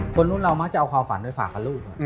คนรุ่นเรามักจะเอาความฝันไปฝากกับลูก